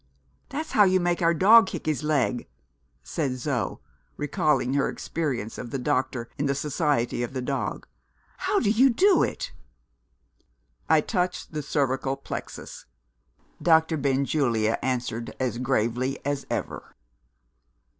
"That's how you make our dog kick with his leg," said Zo, recalling her experience of the doctor in the society of the dog. "How do you do it?" "I touch the Cervical Plexus," Doctor Benjulia answered as gravely as ever.